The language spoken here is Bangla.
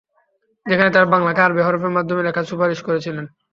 যেখানে তারা বাংলাকে আরবি হরফে মাধ্যমে লেখার সুপারিশ করেছিলেন।